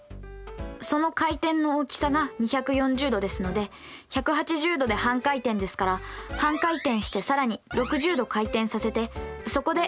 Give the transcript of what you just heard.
その回転の大きさが２４０°ですので１８０°で半回転ですから半回転して更に６０°回転させてそこでＯＰを書きます。